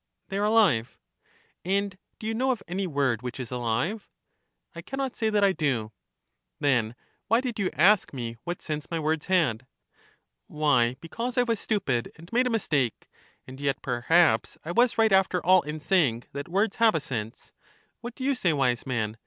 They are alive. And do you know of any word which is alive ? I can not say that I do. Then why did you ask me what sense my words had? Why, because I was stupid and made a mistake. And yet, perhaps, I was right after all in saying that words have a sense ;— what do you say, wise man